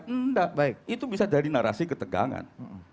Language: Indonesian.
tidak itu bisa jadi narasi ketegangan